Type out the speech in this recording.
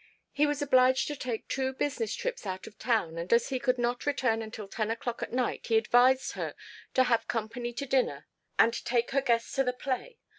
He was obliged to take two business trips out of town and as he could not return until ten o'clock at night he advised her to have company to dinner and take her guests to the play.